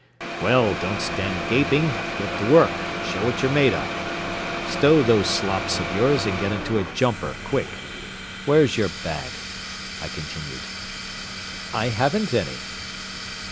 "Well, don't stand gaping. Get to work and show what you are made of. Stow those slops of yours and get into a jumper quick. Where's your bag?" I continued. "I haven't any."